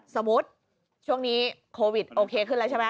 สมมุติช่วงนี้โควิดโอเคขึ้นแล้วใช่ไหม